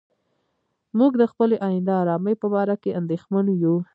موږ د خپلې آینده آرامۍ په باره کې اندېښمن یو.